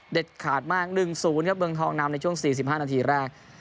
ขาดมาก๑๐ครับเมืองทองนำในช่วง๔๕นาทีแรก